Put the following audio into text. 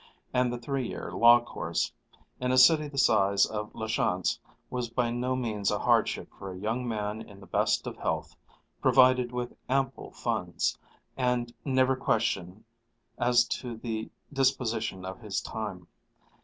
and the three year Law course) in a city the size of La Chance was by no means a hardship for a young man in the best of health, provided with ample funds, and never questioned as to the disposition of his time.